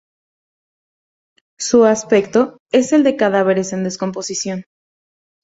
Su aspecto es el de cadáveres en descomposición.